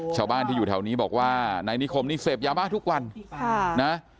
ชาวบ้านที่อยู่แถวนี้บอกว่านายนิคมนี่เสพยาบ้าทุกวันค่ะนะ